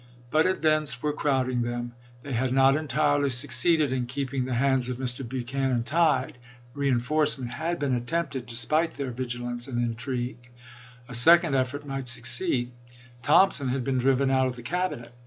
But events were crowding them. They l, p! 443° ' had not entirely succeeded in keeping " the hands of Mr. Buchanan tied." Eeenforcement had been attempted despite their vigilance and intrigue. A second effort might succeed. Thompson had been driven out of the Cabinet.